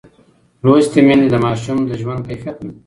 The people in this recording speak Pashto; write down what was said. لوستې میندې د ماشوم د ژوند کیفیت لوړوي.